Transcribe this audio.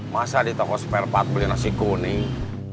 masa di toko spare part beli nasi kuning